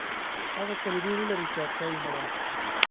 هغه کلمې نه لرو، چې اړتيا يې نه وه.